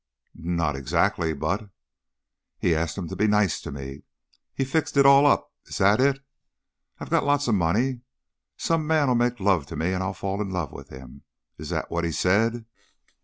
"N not exactly, but " "He asked 'em to be nice to me he fixed it all up. Is that it? I got lots of money; some man 'll make love to me and I'll I'll fall in love with him. Is that what he said?"